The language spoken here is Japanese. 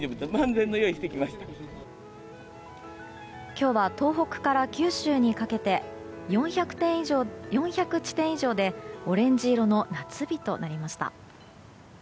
今日は東北から九州にかけて４００地点以上でオレンジ色の夏日となりました。